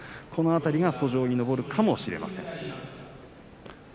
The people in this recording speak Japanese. この辺りが上に上がるかもしれません。